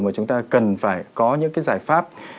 mà chúng ta cần phải có những giải pháp